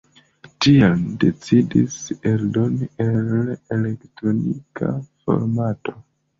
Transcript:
Tial ni decidis eldoni en elektronika formato.